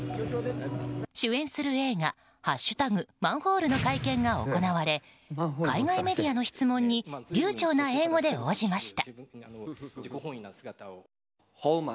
主演する映画「＃マンホール」の会見が行われ海外メディアの質問に流ちょうな英語で応じました。